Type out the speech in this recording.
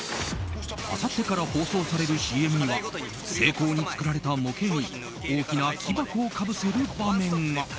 あさってから放送されるＣＭには精巧に作られた模型に大きな木箱をかぶせる場面が。